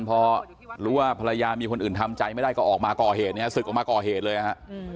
พอรู้ว่าภรรยามีคนอื่นทำใจไม่ได้ก็ออกมาก่อเหตุเนี่ยศึกออกมาก่อเหตุเลยนะฮะ